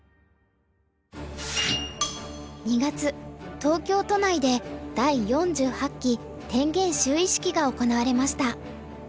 ２月東京都内で第４８期天元就位式が行われました。